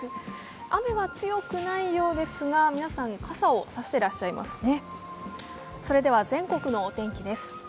雨は強くないようですが皆さん傘を差していらっしゃいますね。